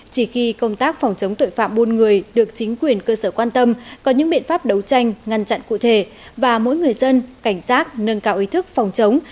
chỉ khi công tác phòng chống tội phạm buôn người được chính quyền cơ sở quan tâm có những biện pháp đấu tranh ngăn chặn cụ thể và mỗi người dân cảnh giác nâng cao ý thức phòng chống